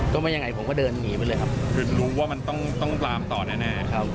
ไม่ยังไงผมก็เดินหนีไปเลยครับคือรู้ว่ามันต้องต้องลามต่อแน่ครับ